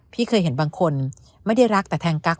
พี่เคยเห็นบางคนไม่ได้รักแต่แทงกั๊